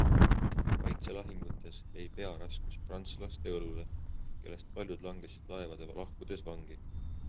Kaitselahingutes jäi pearaskus prantslaste õlule, kellest paljud langesid laevade lahkudes vangi.